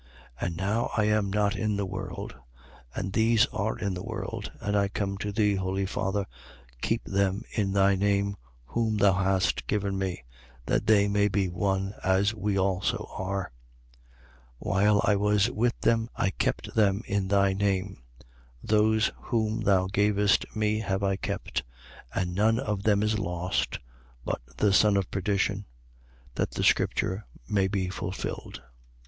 17:11. And now I am not in the world, and these are in the world, and I come to thee. Holy Father, keep them in thy name whom thou hast given me: that they may be one, as we also are. 17:12. While I was with them, I kept them in thy name. Those whom thou gavest me have I kept: and none of them is lost, but the son of perdition: that the scripture may be fulfilled.